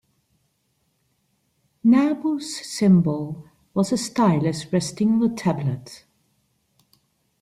Nabu's symbol was a stylus resting on a tablet.